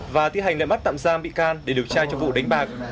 và tiết hành nợ mắt tạm giam bị can để điều tra cho vụ đánh bạc